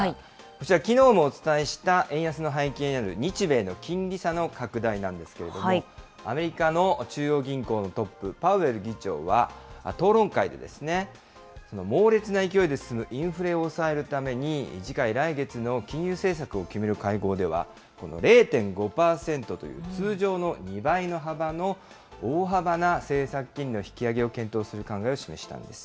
こちら、きのうもお伝えした円安の背景にある日米の金利差の拡大なんですけれども、アメリカの中央銀行のトップ、パウエル議長は討論会で、猛烈な勢いで進むインフレを抑えるために、次回来月の金融政策を決める会合では、この０．５％という通常の２倍の幅の大幅な政策金利の引き上げを検討する考えを示したんです。